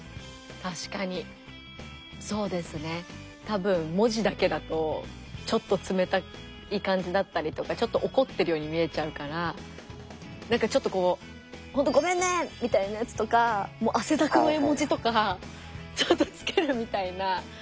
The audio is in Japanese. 多分文字だけだとちょっと冷たい感じだったりとかちょっと怒ってるように見えちゃうからなんかちょっとこう「ほんとごめんね！」みたいなやつとか汗だくの絵文字とかちょっとつけるみたいな。